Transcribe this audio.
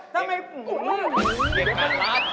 ทุกคนกับหน้า